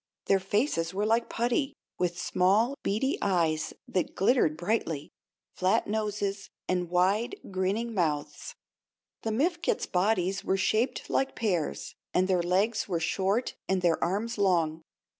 Their faces were like putty, with small, beady eyes that glittered brightly, flat noses, and wide, grinning mouths. The Mifkets bodies were shaped like pears, and their legs were short and their arms long.